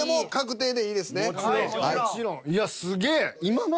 いやすげぇ！